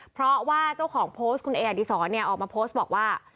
เพราะว่าเจ้าของโพสต์คุณเออดีศรออกมาโพสต์บอกว่า